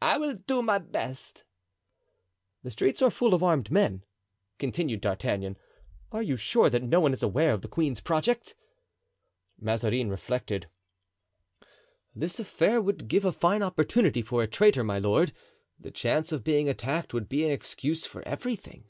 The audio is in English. "I will do my best." "The streets are full of armed men," continued D'Artagnan. "Are you sure that no one is aware of the queen's project?" Mazarin reflected. "This affair would give a fine opportunity for a traitor, my lord; the chance of being attacked would be an excuse for everything."